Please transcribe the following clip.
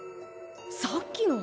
さっきの！